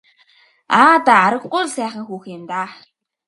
Аа даа аргагүй л сайхан хүүхэн юм даа.